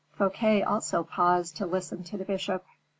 Fouquet also paused to listen to the bishop.